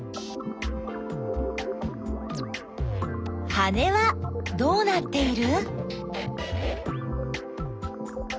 羽はどうなっている？